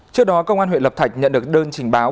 trước đó công an huyện lập thạch nhận được đơn trình báo